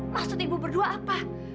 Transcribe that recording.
maksud ibu berdua apa